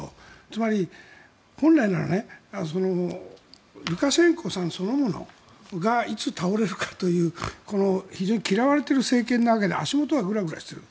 つまり、本来ならルカシェンコさんそのものがいつ倒れるかというこの非常に嫌われている政権なわけで足元はグラグラしている。